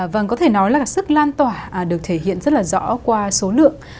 vâng có thể nói là sức lan tỏa được thể hiện rất là rõ qua số lượng